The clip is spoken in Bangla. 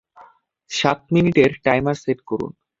সাত মিনিটের টাইমার সেট করুন।